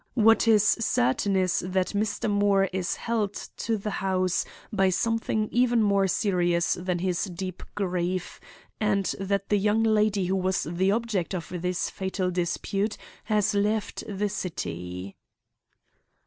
What is certain is that Mr. Moore is held to the house by something even more serious than his deep grief, and that the young lady who was the object of this fatal dispute has left the city."